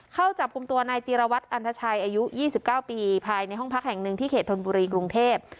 เข้าจับกลุ่มตัวนายจีรวัตรอันทชัยอายุ๒๙ปีภายในห้องพักแห่งหนึ่งที่เขตธนบุรีกรุงเทพ